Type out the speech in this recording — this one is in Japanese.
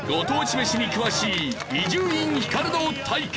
めしに詳しい伊集院光の対決。